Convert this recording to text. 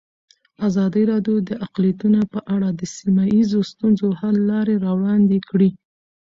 ازادي راډیو د اقلیتونه په اړه د سیمه ییزو ستونزو حل لارې راوړاندې کړې.